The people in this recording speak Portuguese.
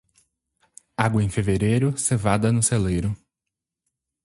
Água em fevereiro, cevada no celeiro.